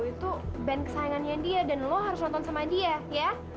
itu band kesayangannya dia dan lo harus nonton sama dia ya